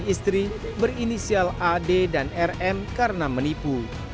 istri berinisial ad dan rm karena menipu